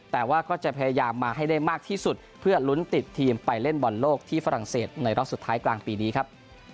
แต่ว่าก็จะพยายามมาให้ได้มากที่สุดเพื่อลุ้นติดทีมไปเล่นบอลโลกที่ฝรั่งเศสในรอบสุดท้ายกลางปีนี้ครับ